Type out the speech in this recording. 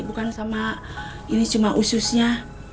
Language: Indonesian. bukan sama ini cuma ususnya